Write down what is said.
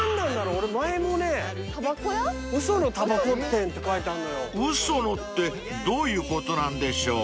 ［「うその」ってどういうことなんでしょう？］